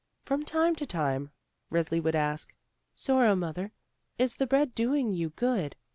From time to time Resli would ask: "Sorrow mother, is the bread domg you good?"